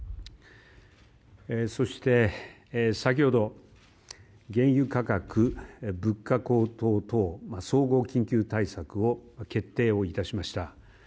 そして、先ほど原油価格物価高騰等総合緊急対策を決定を致しました。